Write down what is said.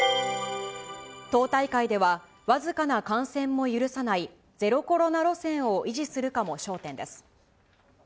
党大会では、僅かな感染も許さないゼロコロナ路線を維持するかも焦点です。